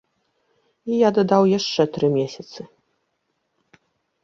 І я дадаў яшчэ тры месяцы.